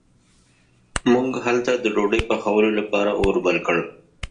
موږ هلته د ډوډۍ پخولو لپاره اور بل کړ.